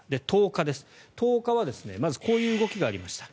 １０日です、１０日はまずこういう動きがありました。